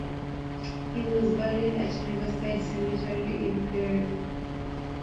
He was buried at Riverside Cemetery in Pierre.